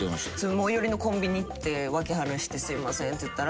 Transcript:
最寄りのコンビニ行って訳話して「すいません」って言ったら。